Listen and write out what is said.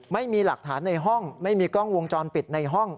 ไม่มีหลักฐานในห้องไม่มีกล้องวงจรปิดในห้อง